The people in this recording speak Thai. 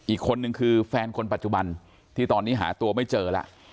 อีกคนนึงคือแฟนคนปัจจุบันที่ตอนนี้หาตัวไม่เจอแล้ว